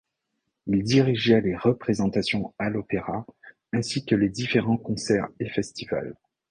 Il dirigeait les représentations à l'opéra ainsi que les différents concerts et festivals.